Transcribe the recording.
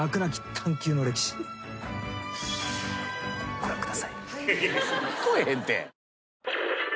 ご覧ください。